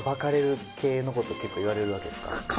結構言われるわけですか？